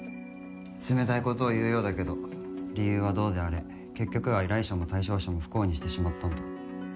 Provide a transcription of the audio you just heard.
冷たいことを言うようだけど理由はどうであれ結局は依頼者も対象者も不幸にしてしまったんだ。